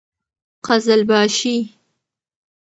قـــزلــباشــــــــــي